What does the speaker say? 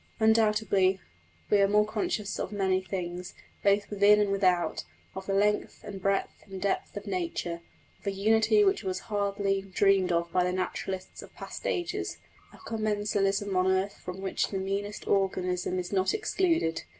Undoubtedly we are more conscious of many things, both within and without of the length and breadth and depth of nature; of a unity which was hardly dreamed of by the naturalists of past ages, a commensalism on earth from which the meanest organism is not excluded.